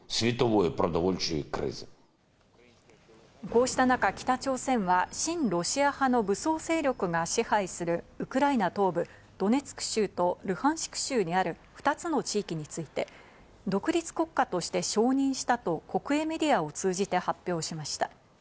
こうした中、北朝鮮は親ロシア派の武装勢力が支配するウクライナ東部ドネツク州とルハンシク州にある２つの地域について、独立国家として承認したと国営メディアを通じて発表しました。